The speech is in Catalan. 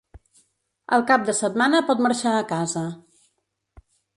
El cap de setmana pot marxar a casa.